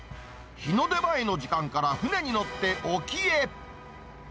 日の出前の時間から船に乗って沖へ。